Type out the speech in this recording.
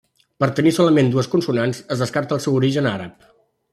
Per tenir solament dues consonants es descarta el seu origen àrab.